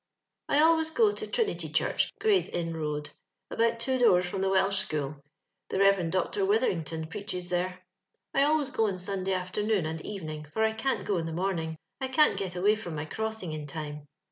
*' I always go to Trinity Church, Gray^ian road, about two doors from the Welsh School — the Rev. Dr. Witherington preaches there. I always go on Sunday afternoon and eveniog, for I can't go in the morning ; I can't giA Kw&j from my crossing in time.